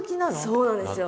そうなんですよ。